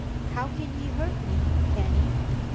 "How can he hurt me, Fanny?"